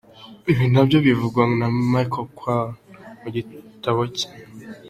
Ibi nabyo bivugwa na Michel Quoist, mu gitabo cye .